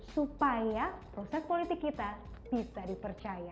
supaya proses politik kita bisa dipercaya